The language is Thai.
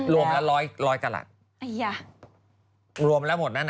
รวมละ๑๐๐กระหลัดวางเรียงอยู่บนท่องคำข่าวนะ